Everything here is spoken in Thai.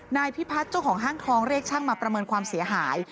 นายพิพัฒน์เจ้าของห้างทองเรียกช่างมาประเมินความเสียหาย